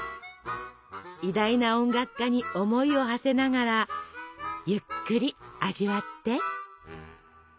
偉大な音楽家に思いをはせながらゆっくり味わって！